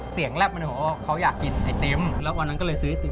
เสียงแรบมันว่าเขาอยากกินไอเต็มแล้ววันนั้นก็เลยซื้อให้เต็ม